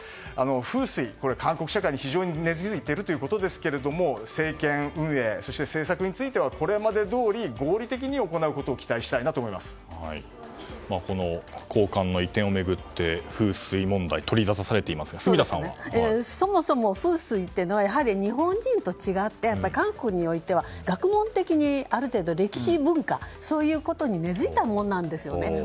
風水、韓国社会に非常に根付いているということですが政権運営、そして政策についてはこれまでどおり合理的に行うことをこの公館の移転を巡って風水問題が取りざたされていますがそもそも風水は日本人と違って韓国においては学問的にある程度歴史、文化そういうことに根付いたものなんですよね。